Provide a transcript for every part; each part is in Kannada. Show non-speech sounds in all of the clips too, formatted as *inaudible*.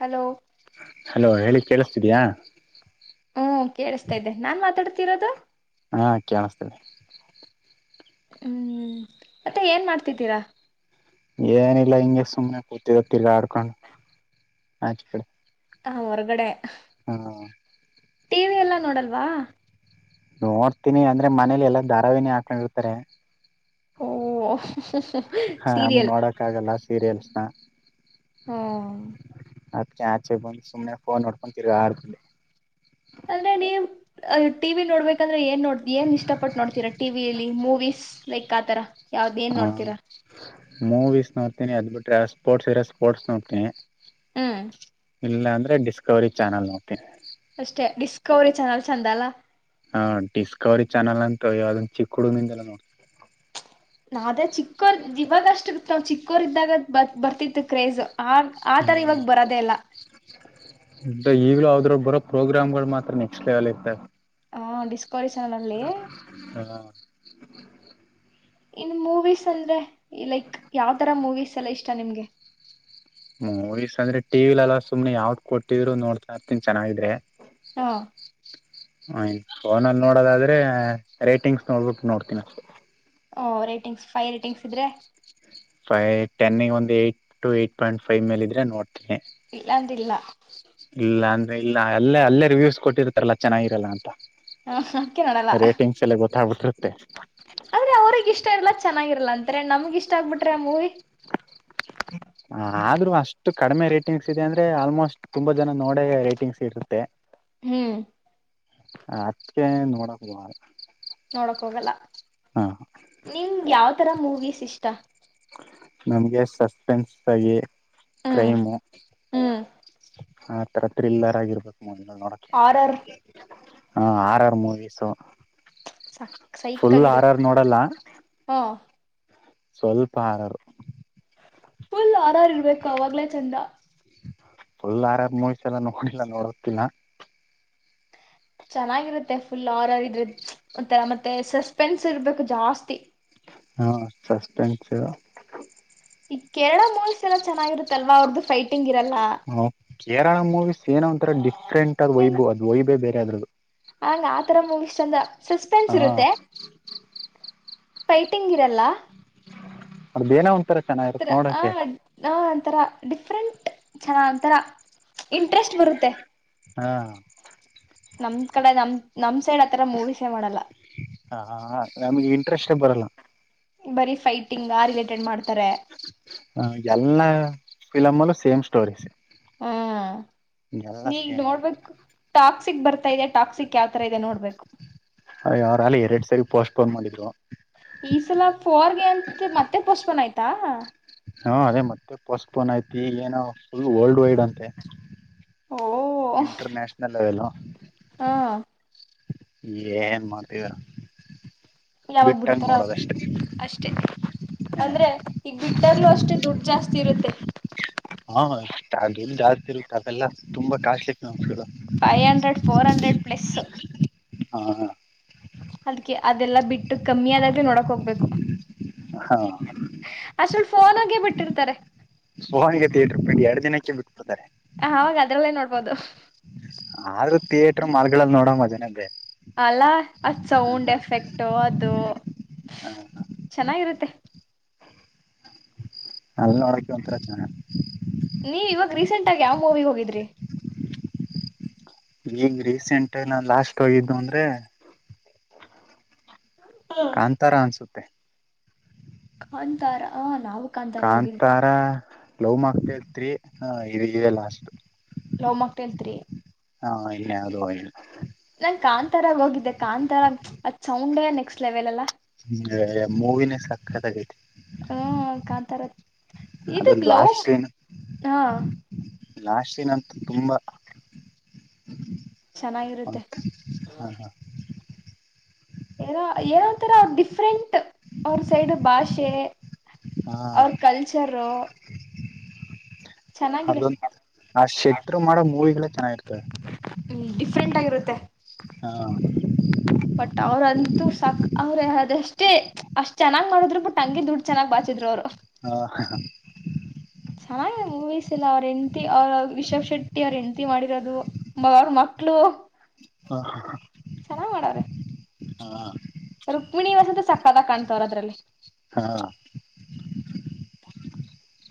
ಹಲೋ ಹಲೋ ಹೇಳಿ ಕೇಳಿಸ್ತಿದಯಾ ಹ್ಮ್ ಕೇಳ್ತಾ ಇದ್ದೆ ನಾನ್ ಮಾತಾಡ್ತ *unintelligible* ಹಾ ಕಾಣಿಸತದೆ ಹ್ಮ್ ಮತ್ತೆ ಏನ್ ಮಾಡ್ತಿದ್ದೀರಾ ಎನಿ ಲ್ಲಂಗೆ ಸುಮ್ನೆ ಗೊತ್ತಿಲ್ಲ ಆಡ್ಕೊಂಡು ಆಚ ಕಡೆ ಹಾ ಹೊರಗಡೆ ಹಾ ಟಿವಿ ಎಲ್ಲಾ ನೋಡಲ್ವಾ ನೋಡ್ತೀನಿ ಅಂದ್ರೆ ಮನೇಲಿ ಎಲ್ಲಾ ಧಾರಾವಹಿನಿ ಹಾಕೊಂಡಿರ್ತಾರೆ ಓ ಹಾ ಹಂಗ್ ಸೀರಿಯಲ್ ನೋಡೋಕ್ ಆಗಲ್ಲ ಸೀರಿಯಲ್ಸ್ನ ಹ್ಮ್ ಅದ್ಕೆ ಆಚೆ ಬಂದ್ ಸುಮ್ನೆ ಫೋನ್ ನೋಡ್ಕೊಂಡ್ ತಿರುಗಾಡ *unintelligible* ಅಂದ್ರೆ ನೀ *unintelligible* ಟಿವಿ ನೋಡ್ಬೇಕ *unintelligible* ಅಂದ್ರೆ ಏನ್ ನೋಡ್ ಏನ್ ಇಷ್ಟಪಟ್ಟ ನೋಡ್ತೀರ ಟಿವಿಯಲ್ಲಿ, ಮೂವೀಸ್? ಲೈಕ್ ಆ ತರ ಹಾ ಮೂವೀಸ್ ನೋಡ್ತೀನಿ, ಅದ್ ಬಿಟ್ಟು *unintelligible* ಸ್ಪೋರ್ಟ್ಸ್ ಇದ್ರೆ ಸ್ಪೋರ್ಟ್ಸ್ ನೋಡ್ತೀನಿ. ಹ್ಮ್ ಇಲ್ಲ ಅಂದ್ರೆ ಡಿಸ್ಕವರಿ ಚಾನಲ್ ನೋಡ್ತೀನಿ. ಅಷ್ಟೇ, ಡಿಸ್ಕವರಿ ಚಾನಲ್ ಚೆಂದ ಅಲ್ಲ? ಹಾ ಡಿಸ್ಕವರಿ ಚಾನಲ್ ಅಂತು ಅಯ್ಯೋ ಅದನ್ ಚಿಕ್ಕುಡುಗನಿಂದಲೂ ನೋಡ್ *unintelligible* ನಾವ್ದೇ ಚಿಕ್ಕೋರ್ ಇವಾಗ ಅಷ್ಟು ನಾವ್ ಚಿಕ್ಕೋರ್ ಇದ್ದಾಗ ಬ ಬರ್ತಿತ್ತು ಕ್ರೇಜ್ ಆನ್ ಆ ತರ ನೋಡ್ತೀನಿ ಈವಾಗ ಬರೋದೆೇ ಇಲ್ಲ. *unintelligible* ಈಗ್ಲೂ ಅದರಾಗ್ ಬರೋ ಪ್ರೋಗ್ರಾಮಗಳು ಮಾತ್ರ ನೆಕ್ಸ್ಟ್ ಲೆವೆಲ್ ಇರ್ತವೆ. ಹಾ ಡಿಸ್ಕ್ ಪೈಸಾನಲ್ಲಿ ಇನ್ ಮೂವೀಸ್ ಅಂದ್ರೆ ಈ ಲೈಕ್ ಯಾವತರ ಮೂವೀಸ್ ಎಲ್ಲ ಇಷ್ಟ ನಿಮಗೆ? ಮೂವೀಸ್ ಅಂದ್ರೆ ಟೀವಿಲ್ ಎಲ್ಲಾ ಸುಮ್ನೆ ಯಾವುದ್ ಕೊಟ್ಟಿದ್ರು ನೋಡ್ತಾ ಇರ್ತೀನಿ ಚೆನ್ನಾಗಿದ್ರೆ. ಹಾ. ಹಾ ಇನ್ ಫೋನಲ್ಲಿ ನೋಡೋದಾದ್ರೆ ರೇಟಿಂಗ್ಸ್ ನೋಡ್ಬುಟ್ ನೋಡ್ತೀನಿ ಅಷ್ಟೇ. ಓ ರೇಟಿಂಗ್ಸ್ ಫೈ ರೇಟಿಂಗ್ಸ್ ಇದ್ರೆ ಫೈ ಟೆನ್ನಿಗ್ ಒಂದ್ eight to eight point five ಮೇಲೆ ಇದ್ರೆ ನೋಡ್ *unintelligible* ಇಲ್ಲಾಂದಿಲ್ಲ ಇಲ್ಲ ಅಂದ್ರೆ ಇಲ್ಲ ಅಲ್ಲೇ ಅಲ್ಲೇ ರಿವ್ಯೂಸ್ ಕೊಟ್ಟಿರ್ತಾರಲ್ಲ ಚೆನ್ನಾಗಿರಲ್ಲ ಅಂತ. ಹ್ಮ ಅಕ್ಕ *unintelligible* ನೋಡಲ್ಲ ತರ್ ಹಟ್ರ್ ತೆ. *unintelligible* ಆದ್ರೆ ಅವರಿಗ್ ಇಷ್ಟ ಇರಲ್ಲ, ಚೆನ್ನಾಗಿರಲ್ಲ ಅಂತಾರೆ. ನಮಗ್ ಇಷ್ಟ ಆಗ್ಬಿಟ್ರೆ ಆ ಮೂವಿ. ಆ ಆದ್ರೂ ಅಷ್ಟು ಕಡಿಮೆ ರೇಟಿಂಗ್ಸ್ ಇದೆ ಅಂದ್ರೆ ಆಲ್ಮೋಸ್ಟ್ ತುಂಬಾ ಜನ ನೋಡೇ ರೇಟಿಂಗ್ಸ್ ಇರುತ್ತೆ. ಹ್ಮ್ ಹ ಅದ್ಕೆ ನೋಡಕ್ *unintelligible* ನೋಡಕ್ ಹೋಗಲ್ಲ. ಹ ನಿಂಗ್ ಯಾವ್ *unintelligible* ತರ ಮೂವೀಸ್ ಇಷ್ಟ? ನಮ್ಗೆ ಸಸ್ಪೆನ್ಸ್ ಬಗೆ. *unintelligible* ಹ್ಮ್ ಕ್ರೈಮು ಹ್ಮ್ ಆ ತರ ಥ್ರಿಲ್ಲರ್ ಆಗಿರಬೇಕು ಮುಂದ ನೋಡಕ್ಕೆ ಆರರ್ *unintelligible* ಹ ಆರ್-ಆರ್ ಮೂವಿಸು. ಸೈ ಸೈಕಾಗಿರುತ್ತೆ ನೋಡಲ್ಲ ಹಾ ಸ್ವಲ್ಪ ಆರ್-ಆರ್ ಫುಲ್ ಆರ್- ಆರ್ ಇರ್ಬೇಕು ಅವಾಗ್ಲೇ ಚೆಂದಾ. ಫುಲ್ ಆರ್-ಆರ್ ಮೂವೀಸ್ ಎಲ್ಲ ನೋಡಿಲ್ಲ ನೋಡೋದಿಲ್ಲಾ. ಚೆನ್ನಾಗಿರುತ್ತೆ ಫುಲ್ ಆರ್-ಆರ್ ಇದ್ರೆ ಮತ್ತ ಮತ್ತೆ ಸಸ್ಪೆನ್ಸ್ ಇರ್ಬೇಕು ಜಾಸ್ತಿ. ಹಾ ಸಸ್ಪೆನ್ಸ್ *unintelligible* ಈ ಕೇರಳ ಮೂಯಸ್ ಎಲ್ಲಾ ಚೆನ್ನಾಗಿರುತ್ತೆ. ತಲ್ಲವ ಅವ್ರ್ದು. ಹ ಕೇರಳ ಮೂವಿಸಸ್. ಏನೋಂತಾರೆಡ್ಡಿ ಫ್ರೆಂಟ್ ಆಗ್ ವೈಬಹುದು ವೈಬೇ ಬೇರೆ. ಯದರದ ಆಲ್ಲ ಆತರ ಮೂವಿಸ್ ಚೆಂದ. ಸಸ್ಪೆನ್ಸ್ ಹಾ ಇರುತ್ತೆ. ಪೈಟಿಂಗ್ ಇರಲ್ಲ. ಅದ್ದೇನೋ ಒಂಥರ ಚೆನ್ನಾಗಿರುತ್ತ ನೋಡಕೆ. ಆತರ ಡಿಫ್ರೆಂಟ್ ಚನ್ನಾಗ್ ಆತರ ಇಂಟ್ರೆಸ್ಟ್ ಬರುತ್ತೆ. ಹಾ ನಮ್ ಕಡೆ ನಮ *unintelligible* ಏನ್ ಆತರ ಮೂವಿಸೆ ನೋಡಲ್ಲ. ಹಾ ಆ ನಮಗೆ ಇಂಟ್ರೆಸ್ಟ್ ಬರಲ್ಲ. ಬರೀ ಫೈಟಿಂಗ್ ಅರ್ಗೆಟೆಡ್ ಮಾಡ್ತಾರೆ. ಹ ಎಲ್ಲಾ ಫಿಲಮಲು ಸೇಮ್ ಸ್ಟೋರಿಸ್. ಹಾ ಎಲ್ಲ ಸೇಮ್ ಮಾಡ್ತಾ ಟಾಕ್ಸಿಕ್ ಬರ್ತಾ ಇದೆ ಟಾಕ್ಸಿಕ್ ಯಾವ್ತರ ಇದೆ ನೋಡ್ಬೇಕು. ಅಯ್ಯೋ ಅವ್ರ್ ಅಲ್ಲಿ ಎರಡ್ ಸಾರಿ ಪೋಸ್ಟ್ ಪೋನ್ ಮಾಡಿದ್ರು. ಈ ದಾ ಹಾ ಅದೇ ಮತ್ತೆ ಪೋಸ್ಟ್ಪೋನ್ ಐತಿ ಏನೋ ಫುಲ್ ವರ್ಲ್ಡ್ ವೈಡ್ ಅಂತೆ. International level. ಆ ಏನ್ ಮಾಡ್ತೀರಾ. ಯಾವಾಗ್ ಬಿಡ್ತಾರ ಅಷ್ಟೆ ಅಂದ್ರೆ ಈಗ ಬಿಟ್ಟಾಗ್ಲು ಅಷ್ಟೆ ದುಡ್ಡು ಜಾಸ್ತಿ ಇರುತ್ತೆ. ಹಾ ಹಾ *unintelligible* ಜಾಸ್ತಿ ಇರುತ್ತೆ ಅಲ್ಲ ತುಂಬಾ costly *unintelligible* five hundred, four hundred plus. ಹಾ ಹಾ. ಅದ ಕ್ಕೆ ಅದೆಲ್ಲ ಬಿಟ್ಟು ಕಮ್ಮಿ ಆದಾಗೆ ನೋಡಾಕ್ ಹೋಗ್ಬೇಕು ಅಅಷ್ಟ್ರಲ್ಲಿ ಹಗ ತೇಟ್ರಗೆ ಎರಡು ದಿನಕ್ಕೆ ಬಿು ಸೂಸೆರೇ. ಹ ಅವಾಗ ಅದ್ರಲ್ಲೇ ನೋಡ್ಬೋದು. ಆದ್ರೂ ಥಿಯೇಟ್ರ ಮಲ್ಗಳ ನೋಡಂಗ ಮಜ. ನಗೆ ಅಲ್ಲ ಅದ್ ಸೌಂಡ್ ಎಫೆಕ್ಟು ಅದು ಚೆನ್ನಾಗಿರುತ್ತೆ. *unintelligible* ಅಲೀ ನೋಡಕ ಒಂದು ತರ ಚೆನ್ನ ನೀವ ಇವಾಗ ರೀಸೆಂಟ್ ಆಗ ಯಾವ್ ಮೂವಿ ಹೋಗಿದ್ರಿ. ಈಗ ರೀಸೆಂಟ್ ನಾ ಲಾಸ್ಟ್ ಹೋಗಿದ್ದು ಅಂದ್ರೆ. ಕಾಂತಾರ ಅನ್ಸುತ್ತೆ... *unintelligible* ತ್ತ *unintelligible* ಖನ್ದಾರನ್ ಕಾಂತಾರ ಲವ್ ಮಾಡಕ್ತತ್ರಿ ಹ ಇದಗಿದೆ ಲಾಸ್ಟ್ ಲವ್ ಮ್ಯಾಕ್ಟೇಲ್ ತ್ರೀ ಹ ಇನ್ಯಾವುದೋ ಇಲ್ಲ. ಕಾಂತಾರಾಗ ಹೋಗಿದ್ದೆ ಕಾಂತಾರಾಗ ಅದ್ ಸೌಂಡೇ ನ.. *unintelligible* ನೆಕ್ಸ್ಟ್ ಲೆವೆಲ್... *inaudible* ಹ್ಮ ಮೂವಿನ ಹ್ಮ ಕಾಂತಾರ ಇದು ಸಕ್ಕತಗೈತಿ-ಅದ್ರ ಲವ್ ಲಾಸ್ ಏನು ಹಾ ನಾಶಿನಂತು ತುಂಬಾ.. ಚೆನ್ನಾಗಿರುತ್ತೆ *unintelligible* ಹ ಹಾ ಹಾ ಏನೋ ಏನೋ ತರ ಅವ ಡಿಫ್ರೆಂಟ್ ಅವ್ರ ಸೈಡ್ ಭಾಷೆ ಹ ಅವ್ರ ಕಲ್ಚರ ಚೆನ್ನಾಗಿದೆ ಅದೊಂದು ಆ ಶೆಟ್ರು ಮಾಡೋ ಮೂವಿಗಳೇ ಚೆನ್ನಾಗಿರ್ತವೆ ಡಿಫ್ರೆಂಟ್ ಆಗಿರುತ್ತೆ ಹಾ ಬಟ್ ಅವ್ರಂತೂ ಸಾಕ ಅವ್ರೇ ಅ ಅಷ್ಟೇ ಅಷ್ಟ್ ಚೆನ್ನ್ ಮಾಡಿದ್ ಬಿಟ್ಟು ತಂಗಿ ದುಡ್ಡು ಚೆನ್ನಾಗಿ ಬಾಚಿದ್ರು ಅವರು ಹಾ ಹ ಚೆನ್ನಾಗಿದೆ ಮೂವೀಸ್ ಎಲ್ಲಾ ಅವ್ರ ಹೆಂಡತಿ ಅವ ರಿಷಬ್ ಶೆಟ್ಟಿ ಅವ್ರ ಹೆಂಡತಿ ಮಾಡಿರೋದು ಮ ಅವ್ರ ಮಕ್ಳು ಹಾ ಹಾ ಹ.. ಚೆನ್ನಾಗ್ ಮಾಡವ್ರೆ *inaudible* ಹಾ ಕುಣಿವಸಂತ ಸಕ್ಕಾಗ ಕಾಣ್ತವ್ರ ಅದ್ರಲ್ಲಿ ಹಾ.. *inaudible*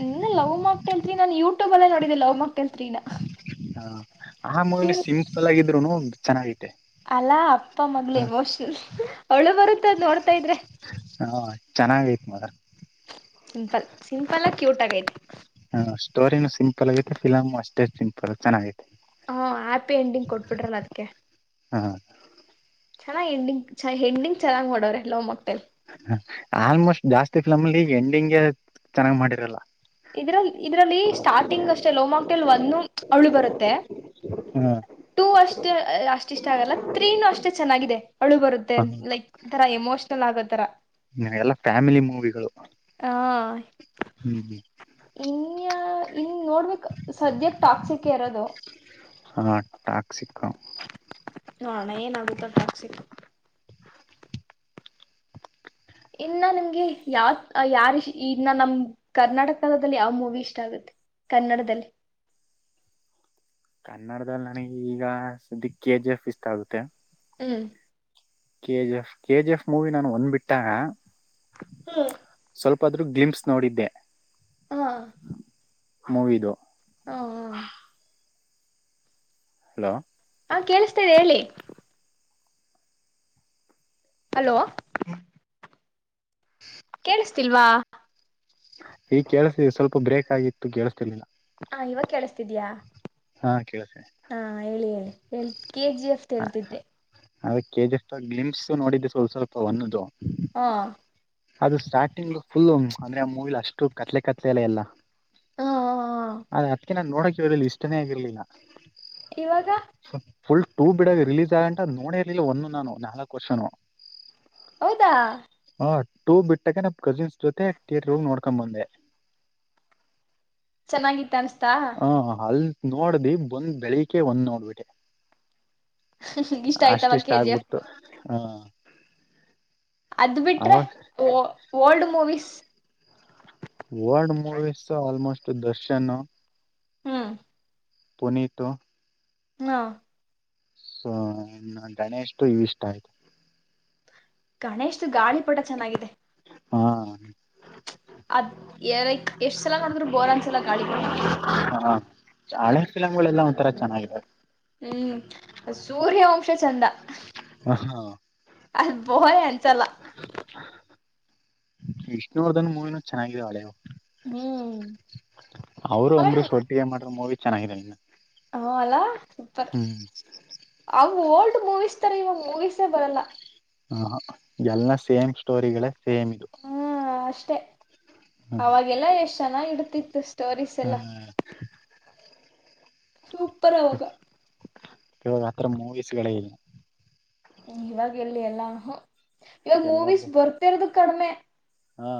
ಇನ್ನ ಲವ್ ಮಾಕ್‌ಟೇಲ್ ತ್ರೀ ನಾನನ್ ಯೂಟ್ಯೂಬ್ ಅಲ್ಲೇ ನೋಡಿದ್ದೆ ಲವ್ ಮಾಕ್‌ಟೇಲ್ ತ್ರೀ ನಾ.. *unintelligible* ಹಾ ಆ ಮೂವಿ ಸಿಂಪಲಾಗಿದ್ದ್.. *unintelligible* ಚೆನ್ನಾಗಿತ್ತು ಅಲ್ಲಾ ಅಪ್ಪ ಮಗಳು ಎಮೋಷನಲ್... *inaudible* ಅಳು ಬರುತ್ತ ನೋಡ್ತಾ ಇದ್ರೆ ಹಾ ಚೆನ್ನಾಗ ಐತ್ ಮದ ಸಿಂಪಲ್ ಸಿಂಪಲ್ ಕ್ಯೂಟ್ ಆಗೈತಿ ಹಾ ಸ್ಟೋರಿನು ಸಿಂಪಲ್ ಆಗೈತೆ ಫಿಲಮ್ ಅಷ್ಟೇ ಸಿಂಪಲ್ ಚೆನ್ನಾಗೈತಿ ಹಾ ಹ್ಯಾಪಿ ಎಂಡಿಂಗ್ ಕೊಟ್ಬಿಟ್ರಲ್ಲ ಅದಕ್ಕೆ.. *unintelligible* ಹಾ ಚೆನ್ನಾಗ್ ಎಂಡಿಂಗ್ ಹೆಂಡಂಗ್ ಚನ್ನಾಗ್ ಮಾಡೋಡವ್ರ ಲವ್ ಮ್ಯಾಕ್ಟೇಲ್ ಆಲ್ಮೋಸ್ಟ್ ಜಾಸ್ತಿ ಫಿಲಮ್ಲ್ಲಿ ಈ ಎಂಡಿಂಗ್ಗೆ ಚೆನ್ನಾಗ್ ಮಾಡಿರಲ್ಲ ಇದ್ರಲ್ಲಿ ಇದ್ರಲ್ಲಿ ಸ್ಟಾರ್ಟಿಂಗ್ ಅಷ್ಟೇ ಲೋಮಾಕ್ ಹಟಲ್ ಒಂದು ಅವಳು ಬರುತ್ತೆ ಹ್ಮ.. *inaudible* ಟೂ ಅಷ್ಟು ಅಷ್ಟ ಇಷ್ಟ ಆಗಲ್ಲ ತ್ರೀನುೂ ಅಷ್ಟೇ ಚೆನ್ನಾಗಿದೆ ಅಳು ಬರುತ್ತೆ ಹ್ಮ್ ಲೈಕ್ ತರ ಎಮೋಷ್ನಲ್ ಆಗೋತರ ಎಲ್ಲ ಫ್ಯಾಮಿಲಿ ಮೂವಿಗಳು ಹ ಹ್ಮ್ *unintelligible* ಇನ್ ನೋಡ್ಬೇಕ ಸದ್ಯಕ್ ಟಾಕ್ಸಿಕ ಇರೋದು ಹಾ ಟಾಕ್ಸಿಕಾ.. *inaudible* ನೋಡೋಣ ಏನಗುತ್ತ ಟ್ಯಾಕ್ಸಿ ಇನ್ನ ನಿಮ್ಗೆ ಯಾವ ಯಾರ ಇನ್ನ ನಮ ಕರ್ನಾಟಕದಲ್ಲಿ ಯಾವ ಮೂವಿ ಇಷ್ಟ ಆಗುತ್ತೆ ಕನ್ನಡದಲ್ಲಿ ಕನ್ನಡದಲ್ಲಿ ನನಗೆ ಈಗ ಸ್ದಿ ಕೆ ಜಿ ಎಫ್ ಇಷ್ಟ ಆಗುತ್ತೆ ಹ್ಮ.. *inaudible* K G F K G F movie ನಾನು ಒಂದ್ಬ ಬಿಟ್ಟಾಗ ಹ್ಮ್.. *inaudible* ಸ್ವಲ್ಪ ಆದ್ರೂ ಗ್ಲಿಮ್ಸ್ ನೋಡಿದ್ದೆ... *inaudible* ಹಾ ಮೊವಿಧು ಹಾ ಹಾ.... *inaudible* ಹಲೋ ಹಾ ಕೇಳಿಸ್ತು ಹೇಳಿ ಹಲೋ ಕೇೇಳಿಸ್ತಿಲ್ವಾ ಈ ಕೇಳಸ ಸ್ವಲ್ಪ ಬ್ರೇಕ್ ಆಗಿತ್ತು ಕೇಳಸ್ತಿರ್ಲಿಲ್ಲ ಹಾ ಇವಾಗ ಕೇಳಿಸತಿದ್ಯಾ ಹಾ ಕೇಳಿಸ್ತಿದೆ ಹಾ ಹೇಳಿ ಹೇಳಿ ಹ ಕೆಜಿ ಎಫ್ ಹೇಳ್ತಿದ್ದೆ ಅ ಕೆಜಿ ಎಫ್ ಗ್ಲಿಮ್ಸ್ ನೋಡಿದ್ದೆ ಸ್ವಲ್ಪ ಸ್ವಲ್ಪ ಒಂದದು ಹಾ *inaudible* ಅದು ಸ್ಟಾರ್ಟಿಂಗ್ ಫುಲ್ ಅಂದ್ರೆ ಮೂವಿಲಿ ಅಷ್ಟು ಕತ್ಲೆ ಕತ್ಲೆ ಎಲ್ಲ ಎಲ್ಲಾ ಹಾ ಹ ಹಾ *inaudible* ಯಕೆ ನಾನ್ ನೋಡಕೆ ಇವ್ರಲ್ಲಿ ಇಷ್ಟನೇ ಆಗರ್ಲಿಲ್ಲ.... ಇವಾಗ *unintelligible* ಫುಲ್ ಟೂ ಬಿಡೋಡ್ ರಿಲೀಸ್.. *inaudible* ನೋಡಿರ್ಲಿಲ್ಲ ಒಂದು ನಾನು ನಾಲ್ಕಕ್ ವರ್ಷನು *unintelligible* ಹೌದಾ ಹ ಟು ಬಿಟ್ಟಾ ಕಸಿನ್.. *inaudible* ಜೊತೆಟಿರ್ ರೋಗ ನೋಡ್ಕೊಂಡ್ ಬಂದೆ ಚೆನ್ನಾಗಿತ್ತ ಅನ್ಸ್ತ ಹಾ ಅಲ್ ನೋಡ್ದಿ ಬಂದ್ ಬೆಳಿಿಕೆ ಒಂದ್ ನೋಡ್ಬಿಟೆ ಇಷ್ಟ ಆಯ್ತವ ಅಷ್ಟಿಷ್ಟು ಕೆ ಜಿ ಎಫ್ ಆಗ್ಬಿಡ್ತು ಹಾ. ಅದ ಬಿಟ್ರ ಅವಾಗ ವ old movies. World movies almost Darshan ಹ. ಪುನೀತು. ಹ್ಮ್. ಸೋ ಇನ್ನ ಗಣೇಶದು ಇನ್ನ ಇಷ್ಟ ಆಯ್ತು. ಗಣೇಶದು ಗಾಳಿಪಟ ಚೆನ್ನಾಗಿದೆ. ಹಾ. ಅದ್ ಎ ಎಷ್ಟ್ ಸಲ ನೋಡಿದ್ರರು ಬೋರ್ ಅನ್ಸಲ ಗಾಳಿಪಟ ಹಾ ಹಳೆ ಪಿಲ್ಮ್ ಗೋಳ ಎಲ್ಲಾ ಒಂಥರ ಚೆನ್ನಾಗ ಇದಾವೆ. ಹ್ಮ್ ಸೂರ್ಯವಂಶ ಚಂದ ಹಾ. ಅದ. *unintelligible* *inaudible* ವಿಷ್ಣುವರ್ಧನ್ ಮೂವಿನೂ ಚೆನ್ನಾಗಿದಾವ ಹಳೆವ. ಹ್ಮ್ ಅವರು ಅಂಬ್ರಿಶ್ ಒಟ್ಟಿಗೆ ಮಾಡಿರೋ ಮೂವಿ. ಚೆನ್ನಾಗಿದಾವ ಇನ್ನ. ಹಾ ಅಲ್ಲಾ ಸೂಪರ್ ಅವು ಓಲ್ಡ್. ಮೂವಿಸ್ ತರ ಇವಾಗ ಮೂವೀಸೇ ಬರಲ್ಲ. ಹಹ ಎಲ್ಲ ಸೇಮ್ ಸ್ಟೋರಿಗಳೇ. ಸೇಮ್ ಇದು ಹ್ಮ ಅಷ್ಟೆ ಅವಾಗೆಲ್ಲ ಎಷ್ಟ ಚೆನ್ನಾಗ ಇಡತಿತ್ತು ಸ್ಟೋರೀಸ್ ಹ ಎಲ್ಲ. ಸೂಪರ್ ಆವಾಗ ಇವಾಗ ಆತರ ಮೂವೀಸ್ ಗಳೇ ಇಲ್ಲ. ಇವಾಗ ಎಲ್ಲಿ ಎಲ್ಲಾ ಅಹಂ. ಇವಾಗ ಎಲ್ಲ ಮೂವೀಸ್ ಬರ್ತಿರೋದು. ಕಡಮೆ. ಹಾ.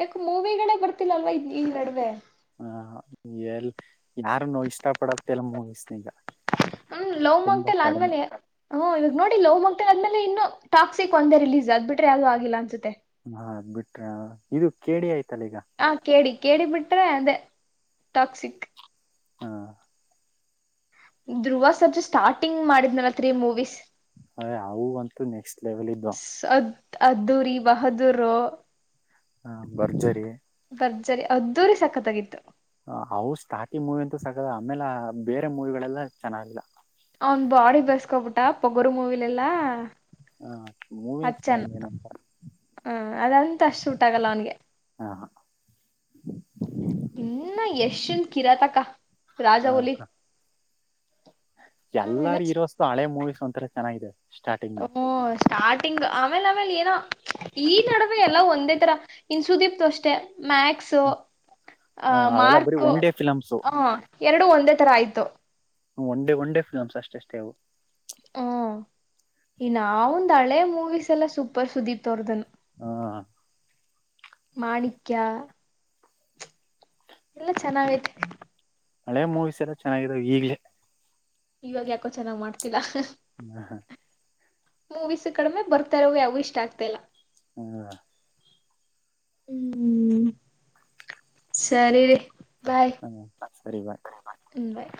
ಯಾಕ ಮೂವಿಗಳೇ ಬರ್ತಿಲ್ಲಲ್ವ ಈ ಈ ನಡುವೆ. ಹ ಎಲ್ ಯಾರುನು ಇಷ್ಟ ಪಡತ್ತ ಇಲ್ಲ ಮೂವಿಸ್ನ ಈಗ. ಹ್ಮ್ ಲವ್ ತುಂಬಾ ಮಾಕ್ಟೇಲ್ ಕಡಿಮೆ ಆದ್ಮೇಲೆ ಹ್ಮ್ ಇವಾಗ ನೋಡಿ ಲವ್ ಮಾಕ್ಟೇಲ್ ಆದ್ಮೇಲೆ. ಇನ್ನು ಟಾಕ್ಸಿಕ ಒಂದೇ ರಿಲೀಸ್ ಅದ ಬಿಟ್ರೆ ಯಾವದು ಆಗಿಲ್ಲ ಅನ್ಸತ್ತೆ. ಹ್ಮ್ ಅದ ಬಿಟ್ರಾ ಇದು ಕೇ ಡಿ ಆಯ್ತು. ಹ ಕೆ ಡಿ. ಕೆ ಡಿ ಬಿಟ್ರೆ ಅದೇ ಟಾಕ್ಸಿಕ್. ಹಾ. ಧ್ರುವ ಸರ್ಜಾ ಸ್ಟಾರ್ಟಿಂಗ್ ಮಾಡಿದನ್ಲ ತ್ರಿ ಮೂವೀಸ್. ಏ ಅವು ಅಂತೂ ನೆಕ್ಸ್ಟ್ ಲೆವೆಲ್ ಇದ್ದು. ಅದ್ ಅದ್ದೂರಿ, ಬಹದ್ದೂರು. ಹ ಭರ್ಜರಿ. ಭರ್ಜರಿ, ಅದ್ದೂರಿ ಸಕತ್ತಾಗಿತ್ತು. ಹ್ಮ್ ಅವು ಸ್ಟಾರ್ಟಿಂಗ್ ಮೂವಿ ಅಂತೂ ಸಕತ್ತ ಆಮೇಲ ಬೇರೆ ಮೂವಿಗಳೆಲ್ಲ ಚೆನ್ನಾಗಿಲ್ಲ. ಅವನ ಬಾಡಿ ಬೇಳಸ್ಕೊಬಿಟ್ಟ ಪೊಗರು ಮೂವಿಲಿ ಎಲ್ಲಾ. ಹ ಮೂವಿನೇ ಹಚ್ಚನ ಚೆನ್ನಾಗಿದೆ ಏನಂತ ಹ್ಮ ಅದ ಆದಂತ ಅಷ್ಟ ಶೂಟ್ ಆಗಲ್ಲ ಅವನಗೆ. ಹ ಇನ್ನ ಯಶನ ಕಿರಾತಕ, ರಾಜಾಹುಲಿ. ಎಲ್ಲಾರ ಹೀರೋಸ್ ನು ಹಳೆ ಮೂವೀಸ್. ಒಂಥಾರ ಚೆನ್ನಾಗಿದೆ. ಸ್ಟಾರ್ಟಿಂಗ್ ಓ ಸ್ಟಾರ್ಟಿಂಗ್. *unintelligible* ಆಮೇಲೆ ಆಮೇಲೆ ಏನೋ ಈ ನಡುವೆ ಎಲ್ಲ ಒಂದೇ ತರ ಇನ ಸುದೀಪದು ಅಷ್ಟೆ. ಮ್ಯಾಕ್ಸು ಅ ಹ ಅವೆಲ್ಲ ಬರೀ ಮಾರ್ಕು ಒನ್ ಡೇ ಫಿಲಮ್ಸ್ ಹ ಎರಡು ಒಂದೇ ತರ ಆಯ್ತು. One day one day films ಅಷ್ಟಷ್ಟೇ ಅವು. ಹ್ಮ ಇನ್ನ ಅವಂದ ಹಳೇ ಮೂವೀಸ್ ಎಲ್ಲ ಸೂಪರ್ ಸುದೀಪ್ ಅವರ್ದನು. ಹ. ಮಾಣಿಕ್ಯ. ಎಲ್ಲ ಚೆನ್ನಾಗೈತ. ಹಳೆ ಮೂವಿಸ್ ಎಲ್ಲ ಚೆನ್ನಾಗಿದಾವ ಈಗ್ಲೇ. ಇವಾಗ ಯಾಕೋ ಚೆನ್ನಾಗ್ ಮಾಡ್ತಿಲ್ಲ. *unintelligible* ಮೂವಿಸ್ ಕಡಿಮೆ ಬರ್ತಾರವು ಯಾವು ಇಷ್ಟ ಆಗ್ತ ಇಲ್ಲ. ಹ್ಮ. ಹ್ಮ್ ಸರಿ ರಿ. ಹಾ ಸರಿ ಬಾಯ್. ಹ್ಮ್ ಬಾಯ್.